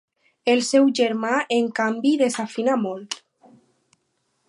El seu germà, en canvi, desafina molt.